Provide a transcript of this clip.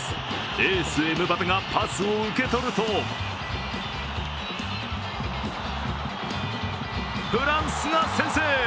エース・エムバペがパスを受け取るとフランスが先制。